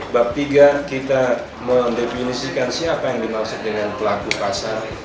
bab tiga kita mendefinisikan siapa yang dimaksud dengan pelaku pasar